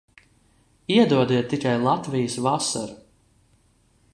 Iedodiet tikai Latvijas vasaru!